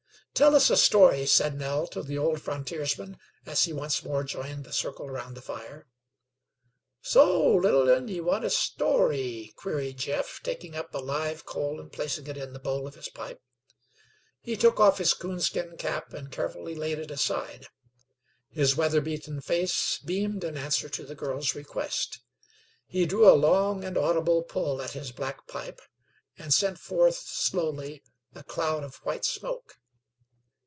"Tell us a story," said Nell to the old frontiersman, as he once more joined the circle round the fire. "So, little 'un, ye want a story?" queried Jeff, taking up a live coal and placing it in the bowl of his pipe. He took off his coon skin cap and carefully laid it aside. His weather beaten face beamed in answer to the girl's request. He drew a long and audible pull at his black pipe, and send forth slowly a cloud of white smoke.